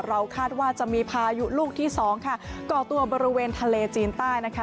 คาดว่าจะมีพายุลูกที่สองค่ะก่อตัวบริเวณทะเลจีนใต้นะคะ